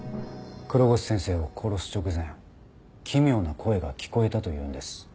黒越先生を殺す直前奇妙な声が聞こえたと言うんです。